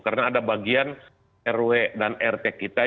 karena ada bagian rw dan rt kita